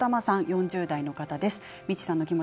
４０代の方です。